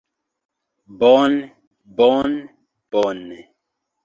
Bone... bone... bone...